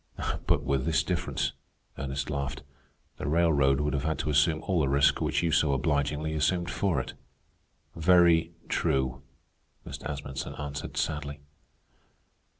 "But with this difference," Ernest laughed; "the railroad would have had to assume all the risk which you so obligingly assumed for it." "Very true," Mr. Asmunsen answered sadly.